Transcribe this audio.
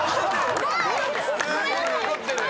すごい怒ってる！